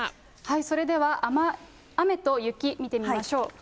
それでは、雨と雪、見てみま